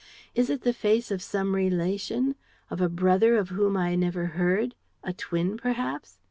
Is it the face of some relation, of a brother of whom I never heard, a twin perhaps?"